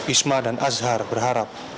isma dan azhar berharap